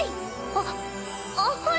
あっあっはい！